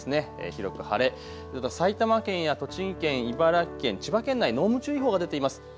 広く晴れ、埼玉県や栃木県、茨城県、千葉県内、濃霧注意報が出ています。